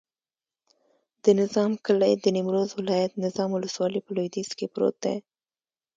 د نظام کلی د نیمروز ولایت، نظام ولسوالي په لویدیځ کې پروت دی.